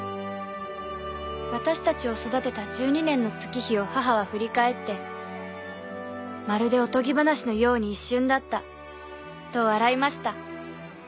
私たちを育てた１２年の月日を母は振り返ってまるでおとぎ話のように一瞬だったと笑いました